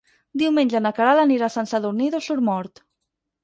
Diumenge na Queralt anirà a Sant Sadurní d'Osormort.